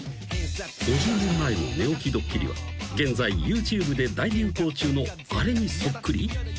［５０年前の寝起きドッキリは現在ＹｏｕＴｕｂｅで大流行中のあれにそっくり？］